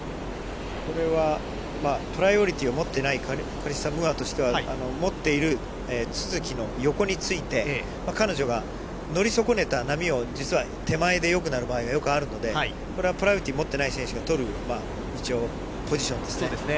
これはプライオリティーを持っていないカリッサ・ムーアとしては持っている都筑の横について彼女が乗り損ねた波を実は手前で良くなる場合があるのでこれはプライオリティーを持っていない選手が取るポジションですね。